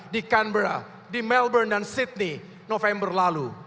di canbera di melbourne dan sydney november lalu